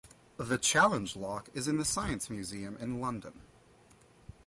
The Challenge Lock is in the Science Museum in London.